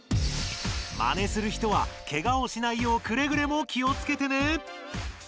マネする人はケガをしないようくれぐれも気をつけてね！